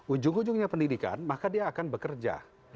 ujung ujungnya pendidikan maka dia akan bekerja